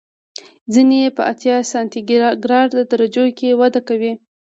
ځینې یې په اتیا سانتي ګراد درجو کې وده کوي.